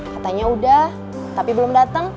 katanya udah tapi belum datang